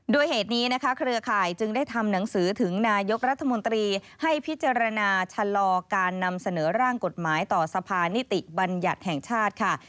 โดยเหตุนี้นะคะเครือข่ายจึงได้ทำหนังสือถึงนายกรัฐมนตรีให้พิจารณาชะลอการนำเสนอร่างกฎหมายต่อสภานิติบัญญัติแห่งชาติค่ะ